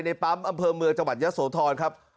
ในปั๊มอำเภอเมืองจังหวัดยะโสธรครับ